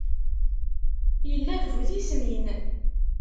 Yella d bu tismin